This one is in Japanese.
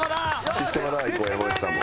「システマだ」いこう山内さんも。